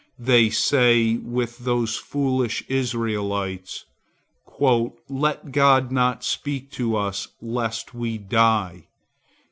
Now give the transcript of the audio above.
They say with those foolish Israelites, 'Let not God speak to us, lest we die.